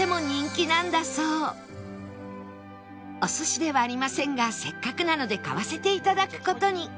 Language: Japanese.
お寿司ではありませんがせっかくなので買わせて頂く事に